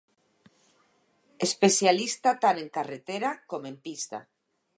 Especialista tant en carretera com en pista.